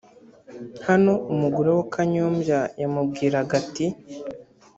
Hano umugore wa Kanyombya yamubwiraga ati